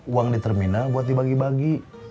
uang di terminal buat dibagi bagi